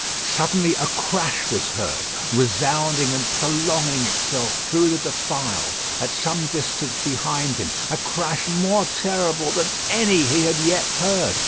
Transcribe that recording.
Suddenly a crash was heard, resounding and prolonging itself through the defile at some distance behind him: a crash more terrible than any he had yet heard.